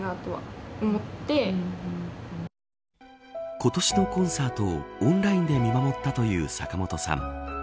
今年のコンサートをオンラインで見守ったという坂本さん。